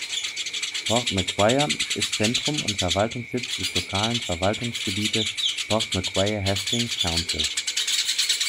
Port Macquarie ist Zentrum und Verwaltungssitz des lokalen Verwaltungsgebiets Port Macquarie-Hastings Council.